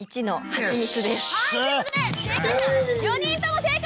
はいということで４人とも正解！